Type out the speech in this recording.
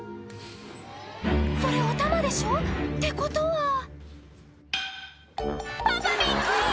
それおたまでしょ？ってことはパパびっくり！